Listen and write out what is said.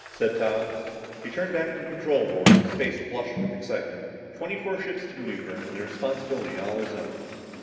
said Tom. He turned back to the control board, his face flushed with excitement. Twenty four ships to maneuver and the responsibility all his own.